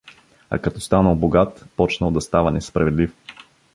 А като станал богат, почнал да става несправедлив.